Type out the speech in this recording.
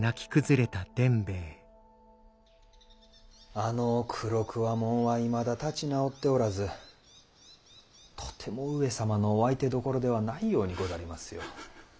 あの黒鍬もんはいまだ立ち直っておらずとても上様のお相手どころではないようにござりますよ。